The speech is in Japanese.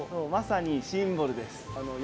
まさにシンボルです。